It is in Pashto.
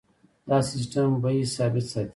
دا سیستم بیې ثابت ساتي.